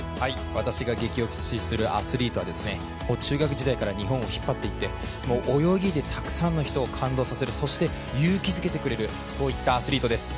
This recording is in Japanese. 私が激推しするアスリートは中学時代から日本を引っ張っていて、泳ぎでたくさんの人を感動させるそして、勇気づけてくれるそういったアスリートです。